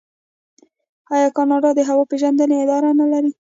آیا کاناډا د هوا پیژندنې اداره نلري؟